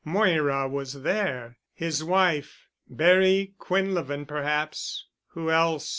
Moira was there—his wife, Barry Quinlevin perhaps. Who else?